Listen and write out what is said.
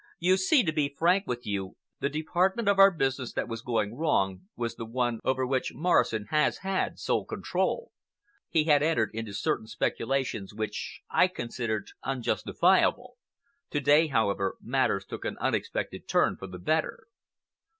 "You see, to be frank with you, the department of our business that was going wrong was the one over which Morrison has had sole control. He had entered into certain speculations which I considered unjustifiable. To day, however, matters took an unexpected turn for the better."